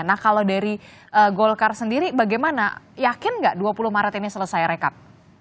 nah kalau dari golkar sendiri bagaimana yakin nggak dua puluh maret ini selesai rekap